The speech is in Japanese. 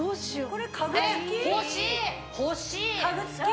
これ家具付き？